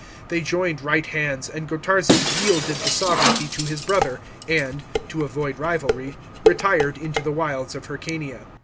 They joined right hands, and Gotarzes yielded the sovranty to his brother, and, to avoid rivalry, retired into the wilds of Hyrcania.